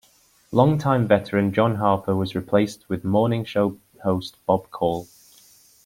Longtime veteran John Harper was replaced with morning show host Bob Call.